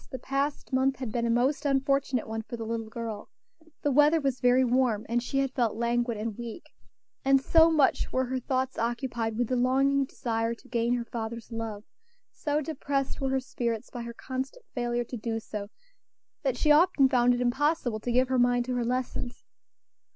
the past month had been a most unfortunate one for the little girl; the weather was very warm, and she had felt languid and weak, and so much were her thoughts occupied with the longing desire to gain her father's love, so depressed were her spirits by her constant failure to do so, that she often found it impossible to give her mind to her lessons.